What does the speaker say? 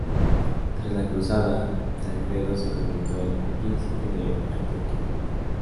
Tras la cruzada, Tancredo se convirtió en Príncipe de Antioquía.